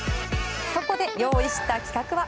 そこで用意した企画は。